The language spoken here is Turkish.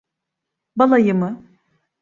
Balayı mı?